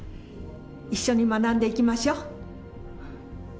一緒に学んでいきましょう。